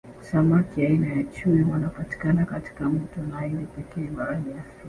Samaki aina ya chui wanapatikana katika mto naili pekee barani Africa